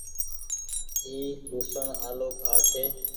اي لهوسڻ آلو گآه ڇي۔